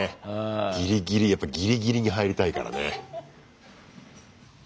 ギリギリやっぱギリギリに入りたいからね。